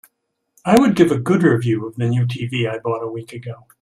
I would give a good review of the new TV I bought a week ago.